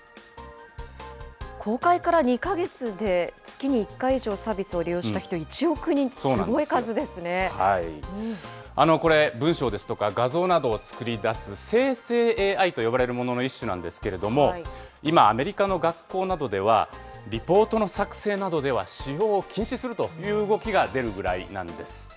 公開から２か月で、月に１回以上サービスを利用した人、これ、文章ですとか、画像などを作り出す生成ＡＩと呼ばれるものの一種なんですけれども、今、アメリカの学校などでは、リポートの作成などでは使用を禁止するという動きが出るぐらいなんです。